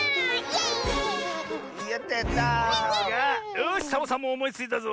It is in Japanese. よしサボさんもおもいついたぞ！